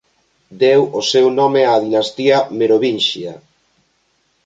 Deu o seu nome á dinastía Merovinxia.